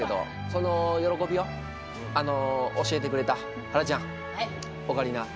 その喜びを教えてくれたはらちゃんオカリナ